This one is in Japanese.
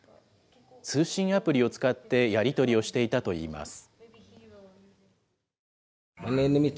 通信アプリを使ってやり取りをしていたといいます。